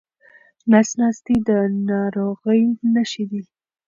نس ناستي د ناروغۍ نښې دي.